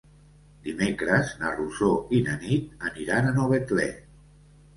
Dimecres na Rosó i na Nit aniran a Novetlè.